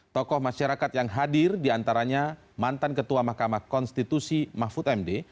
tokoh masyarakat yang hadir diantaranya mantan ketua mahkamah konstitusi mahfud md